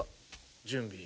準備。